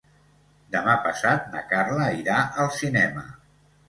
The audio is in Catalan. Demà passat na Carla irà al cinema.